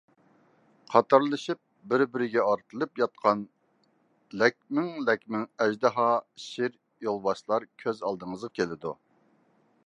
قاتارلىشىپ بىر-بىرگە ئارتىلىپ ياتقان لەكمىڭ-لەكمىڭ ئەجدىھا، شىر، يولۋاسلار كۆز ئالدىڭىزغا كېلىدۇ.